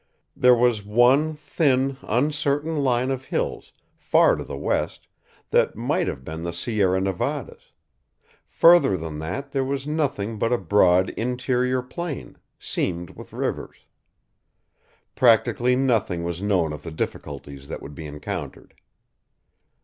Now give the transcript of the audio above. There was one thin, uncertain line of hills, far to the west, that might have been the Sierra Nevadas; further than that there was nothing but a broad interior plain, seamed with rivers. Practically nothing was known of the difficulties that would be encountered.